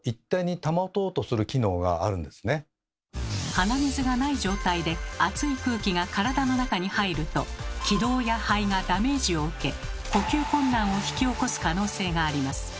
鼻水がない状態で気道や肺がダメージを受け呼吸困難を引き起こす可能性があります。